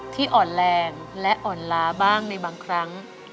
ที่อ่อนแรงและอ่อนล้าบ้างในบางครั้ง